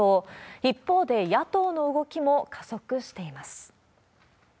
一方で、野党の動きも加速しています。